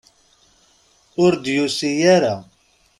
Ur d-yusi ara.